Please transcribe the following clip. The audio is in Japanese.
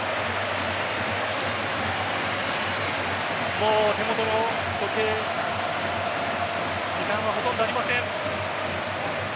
もう手元の時計時間はほとんどありません。